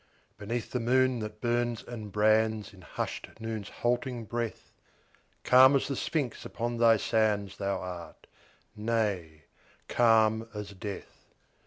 Beneath the sun that burns and brands In hushed Noon's halting breath, Calm as the Sphinx upon thy sands Thou art nay, calm as death.